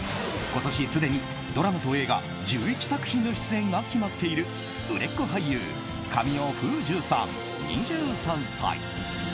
今年、すでにドラマと映画１１作品の出演が決まっている、売れっ子俳優神尾楓珠さん、２３歳。